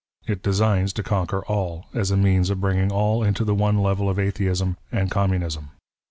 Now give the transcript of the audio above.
It designs to conquer all, as a means of bringing all into the one level of Atheism and Communism.